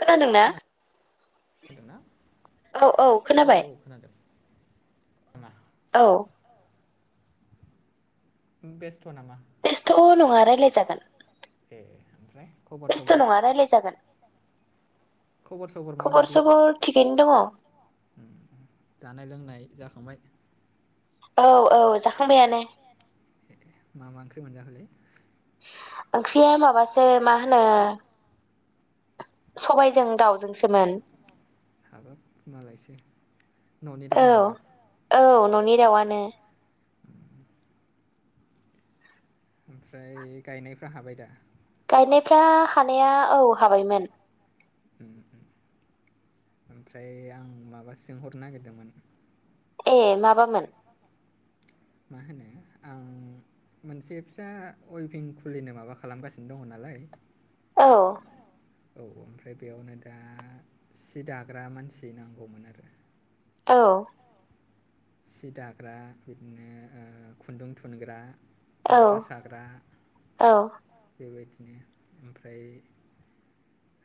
खोनादोंनाा न औ औ खोनादों औ बेस्थ' नामा? बेस्थ' नङा रायलायजागोन। ए ओमफ्राय बेस्थ' नङा रायलाय जागोन खबर सबर थिगैनो दङ। जानाय लोंनाय जाखांबाय औ औ जाखांबाय ने दे दे मा मा ओंख्रि मोनजाखोलै ओंख्रिया माबासो मा होनो सबायजों दाउजोंसोमोन हाबाब मालायसो न'नि दा नामा औ न'नि रउआनो ओमफ्राय गायनायफ्रा हाबाय दा गायनायफ्रा हानाया औ हाबायमोन ओमफ्राय आं माबा सोंहरनो नागिरदोंमोन ए माबामोन मा होनो आं मोनसे फिसा अभिेन खुलिनो माबा खालामगासिनो दङ नालाय औ ओमफ्राय बेयावनो दा सि दाग्रा मानसि नांगौमोन आरो औ सि दाग्रा बिदिनो खुन्दुं थुनग्रा मुस्रा साग्रा बेबायदिनो ओमफ्राय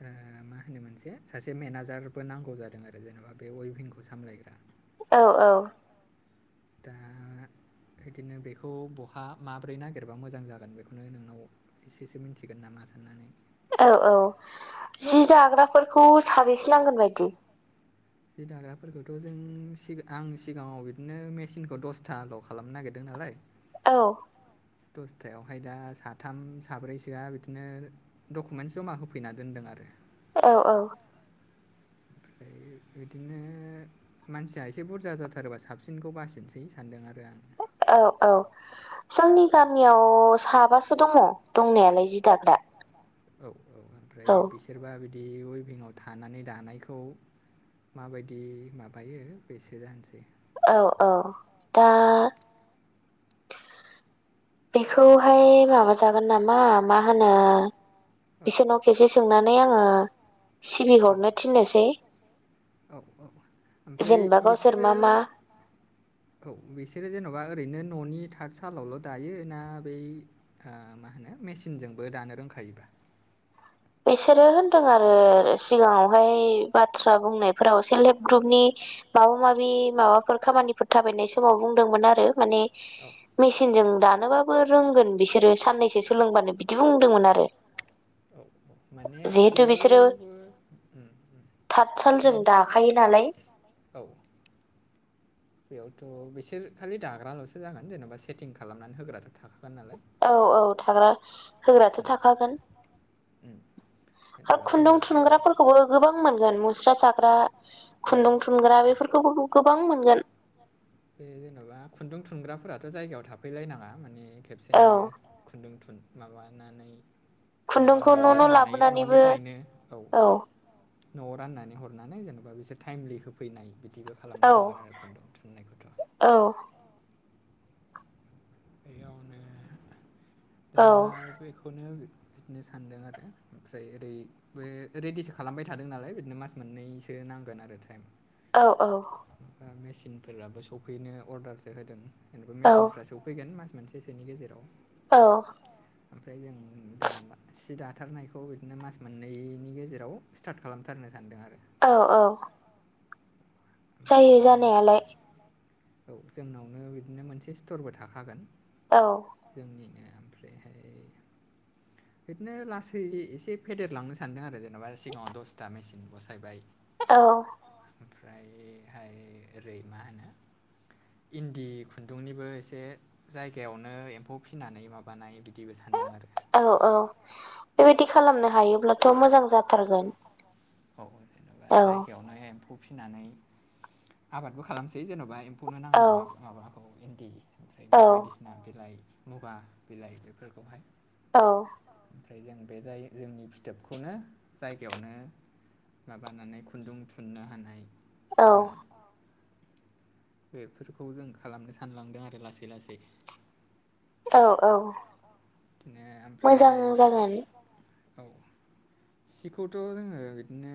[unintelligible] मा होनो मोनसे सासे मेनेजारबो नांगौ जादों आरो जेनेबा बे वइभिंखौ सामलायग्रा औ औ दा बिदिनो बेखौ बहा माबोरै नागिरबा मोजां जागोन बेखौनो नोंनाव एसेसो मिथिगोन नामा साननानै औ औ जि दाग्राफोरखौ साबेसे लांगोन बायदि जि दाग्राफोरखौथ' जोंां आं सिगाङाव बिदिनो मेसििनखौ दसथाल' खालामनो नागिरदों नालाय औ दसथायावहाय दा साथाम साब्रैसोआ बिदिनो डकुमेन्टस जमा होफैना दोनदों आरो औ औ ओमफ्राय बिदिनो मानसिया एसे बुरजा जाथारोबा साबसिनखौ बासिनोसै सानदों आरो आङो औ औ जोंनि गामियाव साबासो दङ दंनायालाय जि दाग्रा औ औ ओमफ्राय बिसोरबा बिदि उइभिंआव थानानै दानायखौ माबायदि माबायो बेसो जानोसै औ औ दा बेखौहाय माब जागोन नामा मा होनो बिसोरनाव खेबसे सोंनानै आङो सिबिहरनो थिननोसै औ औ ओमफ्राय बिसोरो औ बिसोरो जेन'बा ओरैनो न'नि थार्द सालावल' दायो ना बै मा होनो मेसिनजोंबो दानो रोंखायोबा बेसोरो होनदों आरो सिगाङावहाय बाथ्रा बुंनायफोराव सेल्फ हेल्प ग्रुपनि माबा माबि माबाफोर खामानिफोर थाबायनाय समाव बुंदोंमोन आरो। माने मेचिनजों दानोबाबो रोंगोन बिसोरो साननैसो सोलोंबानो बिदि बुंदोंमोन आरो। औ औ माने बेयावबो। थाथसाल जों दाखायो नालाय। औ। बेयावथ' बिसोर खालि दाग्राल'सो जागोन जेनेबा सेटिं खालामनानै होग्रााथ' थाखाग नालाय औ औ थाग्रा होग्राथ' थाखागोन औ आरो खुन्दुं थुनग्राफोरखौबो गोबां मोनगोन मुस्रा जाग्रा खुन्दुं थुनुं मोनग्रा बेफोरखौबो गोबां मोनगोन बे जेन'बा खुन्दुं थुनग्राफोराथ' जायगायाव थाफैलायनाङा माने खेबसेनो खुन्दुं थुन माबानानै जेन'बा माइदि होनानै न'निफ्रायनो औ। न'आव राननानै हरनानै जेनेबा बिसोर टाइमलि होफैनाय बिदि। बिदिबो खालामनो हागोन आरो खुन्दुं थुननायखौ। औ। बेयावनो दा बेखौनो। बिदिनो सान्दों आरो ओमफ्राय ओरै। बे रेडिसो खालामबाय थादों नालाय बिदिनो मास मोननैसो नांगोन आरो टाइम। औ औ। मेसिनफोराबो सौफैनो अर्दारसो होदों जेनेबा मेसिनफ्रा सौफै। फैगोन मास मोनसेसोनि गेजेराव औ। ओमफ्राय जों दा सि दाथारनायखौ बिदिनो मास मोननैनि गेजेराव। स्टार्ट खालामथारनो सानदों आरो। औ औ। जायो जानायालाय। औ जोंनावनो बिदिनो मोनसे स्टरबो थाखागोन। औ। जोंनिनो ओमफ्रायहाय। बिदिनो लासै एसे फेदेरलांनो सानदों आरो जेन'बा सिगाङाव दसथा मेसिन बसायबाय। औ। ओमफ्रायहाय ओरै मा होनो। इन्दि खुन्दुंनिबो एसे जायगायावनो एम्फौ फिनानै माबानाय बिदिबो सानदों आरो। औ औ बेबायदि खालामनो हायोब्लाथ' मोजां जाथारगोन औ जेनेबा जायगायावनो एम्फौ फिसिनानै आबादबो खालामसै जेन'बा [inaudible] नांगौ माबाखौ इन्दि ओमफ्राय बेबायदि सि बिलाइ मुगा बिलाइ बेफोरखौहाय औ ओमफ्राय जों बे जाय जोंनि फिथोबखौनो जायगायावनो माबानानै खुन्दुं थुननो हानाय बा बेफोरखौ जों खालामनो सानलांदों आरो लासै लासै। औ औ मोजां जागोन। औ सिखौथ' जोङो। बिदिनो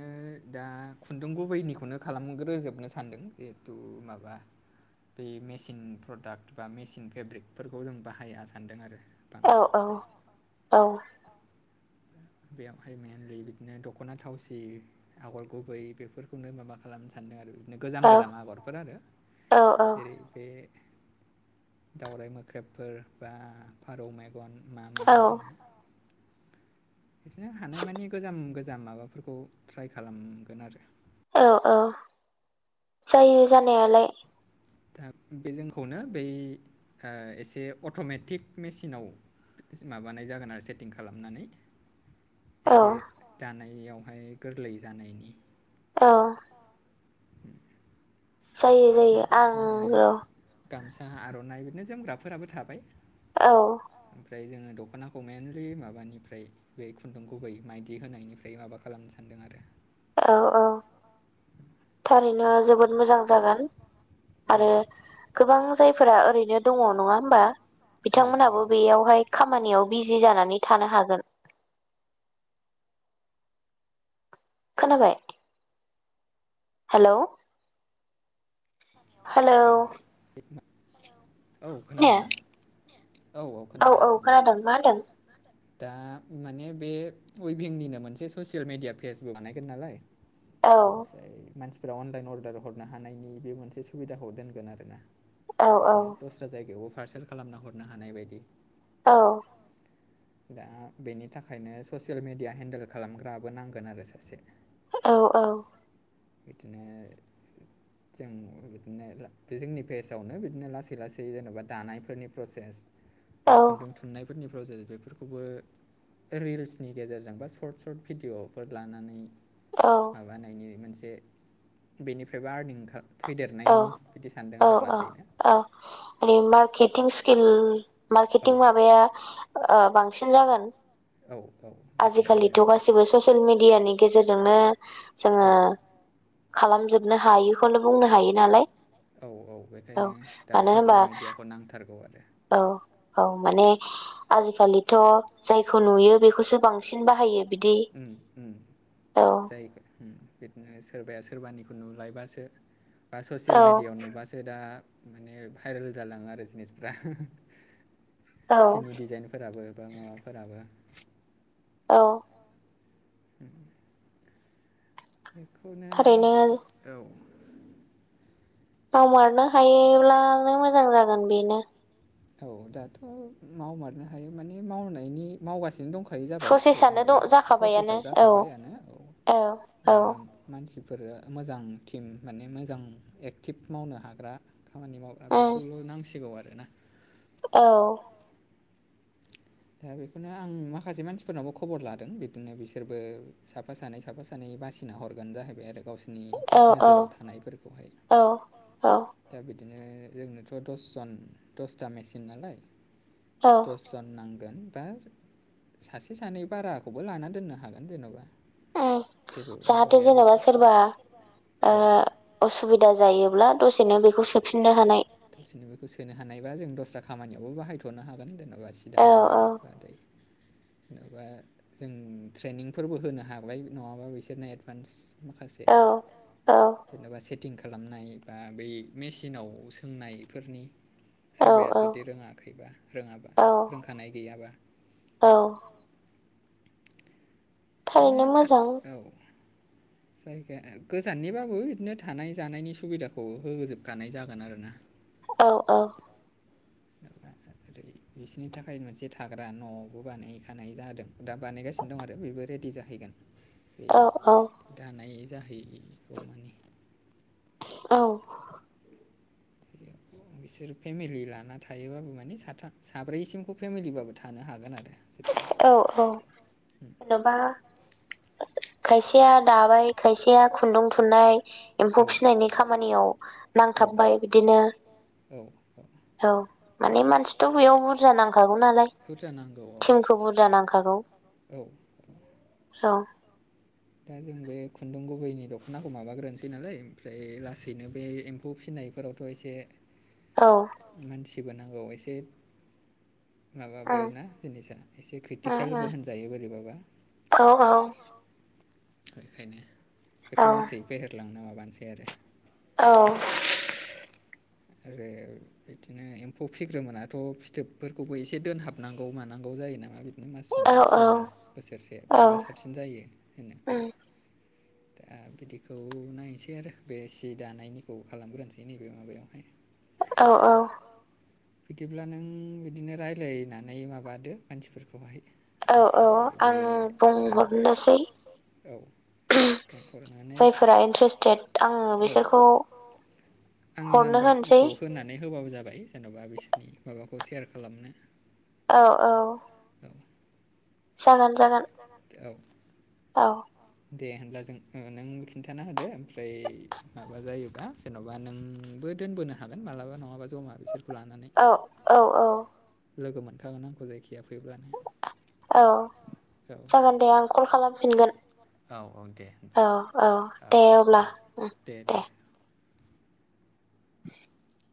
दा खुन्दुं गुबैनिखौनो खालामग्रोजोबनो सान्दों जिहेथु माबा। बे मेसिन प्रडाक्ट बा मेसिन फेब्रिकफोरखौ जों बाहायाया सानदों आरो। औ औ औ। बेयावहाय मइेनलि बिदिनो दख'ना थावसि आगर गुबै बेफोरखौनो माबा। खालामनो सानदों आरो बिदिनो गोजाम गोजाम आगरफोर आरो जेरै बे दाउराइ मोख्रेबफोर बा फारौ मेगन मा मा होनो बिदिनो हानाय मानि गोजाम गोजाम माबाफोरखौ ट्राइ खालामगोन आरो। औ औ जायो जानायालाय दा बे जोंखौनो बै एसे अट'मेटिक मेसिनाव माबानाय जागोन आरो सेटिं खालामनानै एसे दानायावहाय गोरलै जानायनि औ। जायो जायो आं र'। गामसा आर'नाइ बिदिनो जोमग्राफोराबो थाबाय। औ। ओमफ्राय जोङो दख'नाखौ मइेनलि माबानिफ्राय बे खुन्दुं गुबै माइदि होनायनिफ्राय माबा खालामनो सानदों आरो। औ औ थारैनो जोबोद मोजां जागोन। आरो गोबां जायफोरा ओरैनो दङ नङा होमबा? बिथांमोनहाबो बेयावहाय खामानियाव बिजि जानानै थानो हागोन। खोनाबाय? हेल' हेल' औ औ खोनादों ना? औ औ खोनादों मा होनदों? दा माने बे उइभिंनिनो मोनसे ससियेल मिडिया पेजबो बानायगोन नालाय औ ओमफ्राय मानसिफोरा अनलाइन अर्डार हरनो हानायनि बे मोनसे सुबिदाखौ दोनगोन आरो ना बिदिनो दस्रा जायगायावबो पारसेल खालामना हरनो हानाय बायदि। औ दा बेनि थाखायनो ससियेल मेडिया हेन्देल खालामग्राबो नांगोन आरो सासे औ औ बिदिनो जों बिदिनो बे जोंनि पेजावनो बिदिनो लासै लासै जेन'बा दानायफोरनि प्रसेस बा खुन्दुं थुननायफोरनि प्रसेस बेफोर खौबो रिल्सनि गेजेरजों बा सर्ट सर्ट भिडिअ'फोर लानानै औ माबानायनि मोनसे बेनिफ्रायबो आर्निं फैदेरनायनि बिदि सानदों आरो लासैनो। औ माने मार्केटिं स्किल मार्केटिं माबाया बांसिन जागोन औ औ बिदिनो ससियेल मिडियानि गेजेरजोंनो जोङो खालामजोबनो हायिखौनो बुंनो औ औ बेखायनो दा ससियेल मेडियाखौ नांथारगौ आरो औ औ माने आजिखालिथ' जायखौ नुयो बेखौसो बां सिन बाहायो बिदि औ। बिदिनो सोरबाया सोरबानिखौ नुलायबासो बा ससियेल मिडियाआव नुबासो दा माने भाइरेल जालाङो आरो जिनिसफ्रा सिनि डिजाइन फोराबो बा माबाफोराबो औ [unintelligible] बेखौनो औ मावमारनो हायोब्लानो मोजां जागोन बेनो औ दाथ' मावमारनो हायो माने मावनायनि मावगासिनो दं खायो जाबाय जेनेबा प्रसेसआव जाखाबाय आनो औ दा मानसिफोर मोजां टिम माने मोजां एक्टिभ मावनो हाग्रा खामानि मावग्रा बेखौल' नांसिगौ आरो ना औ दा बेखौनो आं माखासे मानसिफोरनावबो खबर लादों बिदिनो बिसोरबो साफा सानै साफा सा नै बासिना हरगोन जाहैबाय आरो गावसोरनि नोजोराव थानायफोरखौहाय दा बिदिनो जोंनोथ' दसजन दसथा मेसिन नालाय दस जन नांगोन बा सासे सानै बाराखौबो लाना दोननो हागोन जेन'बा [inaudible] जाहाथे जेनेबा सोरबा ओ असुबिदा जायोब्ला दसेनो बेखौ सो फिनो हानाय दसेनो बेखौ सोनो हानायबा जों दस्रा खामानियावबो बाहायथ'नो हागोन जेन'बा सि दानायनि [inaudible] जेन'बा जों ट्रेनिंफोरबो होनो हाबाय नङाबा बिसोरनो एडभान्स माखासे जेनेबा फिटिं खालामनाय बा बै मेसिनाव सोंनायफोरनि सोरबाया जुदि रोङाखैबा रोङाबा रोंखानाय गैयाबा औ बिदिनो था औ जायगाया गोजाननिबाबो बिदिनो थानाय जानायनि सुबिदाखौ होजोबखानाय जागोन आरोना औ औ [unintelligible] ओरै बिसनि थाखाय मोनसे थाग्रा न'बो बानायखानाय जादों दा बानायगासिनो दं आरो बिबो रेडि जाहैगोन बे दानाय जाहैयगौ मानि औ [unintelligible] बिसोर फेमिलि लाना थायोबाबो माने साथाम साब्रैसिमखौ फेमिलिबाबो थानो हागोन आरो जुदि औ औ जेन'बा खायसेया दाबाय खायसेया खुन्दुं थुननाय एम्फौ फिसिनायनि खामानियाव औ नांथाबबाय बिदिनो औ औ औ माने मानसिथ' बेयाव बुरजा नांखागौ नालाय बुर्जा नांगौ थिमखौ बुरजा नांखागौ औ दा जों बे खुन्दुं गुबैनि दख'नाखौ माबाग्रोनसै नालाय ओमफ्राय लासैनो बे एम्फौ फिनाय फोरावथ' एसे औ मानसिबो नांगौ एसे माबाबोना जिनिसा एसे क्रिटिकेलबो होनजायो बोरैबाबा औ औ बेखायनो बेखौ लासै फेहेरलांनो माबानोसै आरो औ आरो बिदिनो एम्फौ फिग्रोमोनाथ' फिथोबफोरखौबो एसे दोनहाबनांगौ मानांगौ जायो नामा बि बि मास मोन सय मास बोसोरसे बिदिबा साबसिन जायो होनो मानसिफ्रा दा बिदिखौ नायनोसै आरो बे सि दानायनिखौ खालामग्रोनोसै नैबे माबायावहाय औ औ बिदिब्ला नों बिदिनो राय्लायनानै माबादो मानसिफोरखौहाय ओमफ्राय बे औ औ हमनानै जायफोरा इन्टारेस्टेट आं औ बिसोरखौ आंनि नाम्बारखौ होनानै होबाबो जाबाय जेन'बा बिसोरनि माबाखौ सेयार खालामनो औ औ जागोन जागोन जोगोन औ औ दे होनब्ला जों नों खिन्थाना होदो ओमफ्राय माबा जायोबा जेन'बा नोंबो दोनबोनो हागोन मालाबा नङाबा जमा बिसोरखौ लानानै औ औ औ लोगो मोनखागोन आंखौ जायखिया फैब्लानो औ जागोन दे आं कल खालामफिनगोन औ औ दे अब्ला दे दे [inaudible]